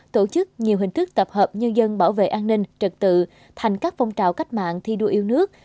tổ chức nhiều hình thức tập hợp nhân dân bảo vệ an ninh trật tự thành các phong trào cách mạng thi đua yêu nước